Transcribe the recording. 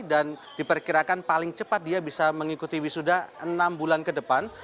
dan diperkirakan paling cepat dia bisa mengikuti wisuda enam bulan ke depan